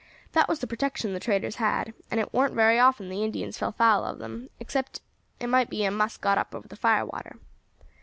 That was the protection the traders had; and it warn't very often the Indians fell foul of them, except it might be a muss got up over the fire water.